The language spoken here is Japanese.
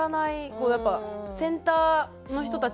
こうやっぱセンターの人たちが。